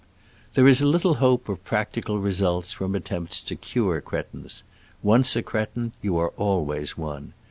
There is little hope of practical results from attempts to cure cretins. Once a cretin, you are always one.